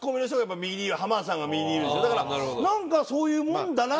だからなんかそういうもんだなっていう。